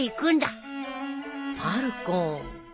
まる子。